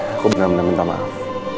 aku bener bener minta maaf